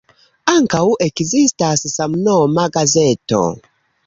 Ankaŭ ekzistas samnoma gazeto.